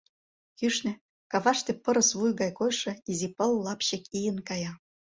Кӱшнӧ, каваште пырыс вуй гай койшо изи пыл лапчык ийын кая.